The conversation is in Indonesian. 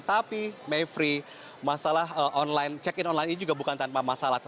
tetapi mevri masalah online check in online ini juga bukan tanpa masalah